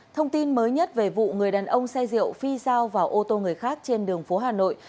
thông tin mới nhất về vụ người đàn ông xe rượu phi sao vào ô tô người khác trên đường phố hà nội